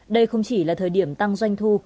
đây không chỉ là thời điểm tăng doanh thu